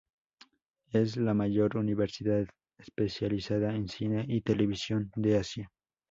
Es la mayor universidad especializada en cine y televisión de Asia.